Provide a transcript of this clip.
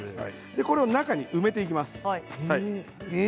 これを中に埋めていきます。